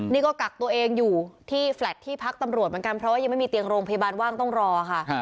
นี่ก็กักตัวเองอยู่ที่แฟลตที่พักตำรวจเหมือนกันเพราะว่ายังไม่มีเตียงโรงพยาบาลว่างต้องรอค่ะ